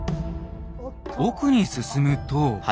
奥に進むと。